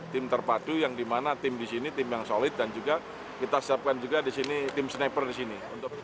tim terpadu yang dimana tim disini tim yang solid dan juga kita siapkan juga disini tim sniper disini